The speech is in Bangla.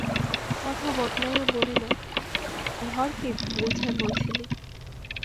কথা বদলাইয়া বলিল, ঘর কে গোছায় বলছিলি?